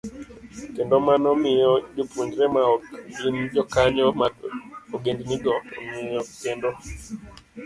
kendo mano miyo jopuonjre maok gin jokanyo mag ogendnigo ong'eyo kendo